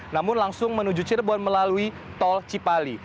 namun langsung menuju cirebon melalui tol cipali